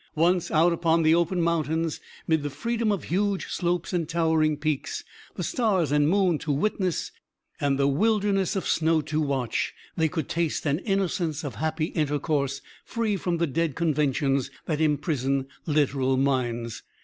Once out upon the open mountains, 'mid the freedom of huge slopes and towering peaks, the stars and moon to witness and the wilderness of snow to watch, they could taste an innocence of happy intercourse free from the dead conventions that imprison literal minds.